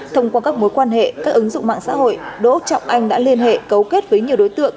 thông qua các mối quan hệ các ứng dụng mạng xã hội đỗ trọng anh đã liên hệ cấu kết với nhiều đối tượng